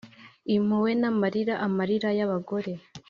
impuhwe n'amarira - amarira y'abagore!